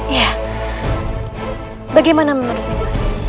ya bagaimana menurutmu mas